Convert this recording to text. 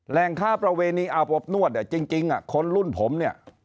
ค้าประเวณีอาบอบนวดเนี่ยจริงคนรุ่นผมเนี่ย